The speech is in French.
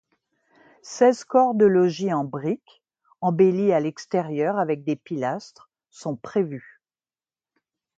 Seize corps de logis en brique embellis à l'extérieur avec des pilastres sont prévus.